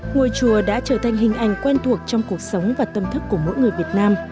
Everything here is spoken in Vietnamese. ngôi chùa đã trở thành hình ảnh quen thuộc trong cuộc sống và tâm thức của mỗi người việt nam